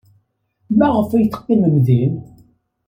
Maɣef ay teqqimem din?